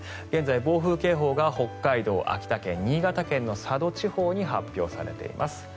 現在、暴風警報が北海道、秋田県新潟県の佐渡地方に発表されています。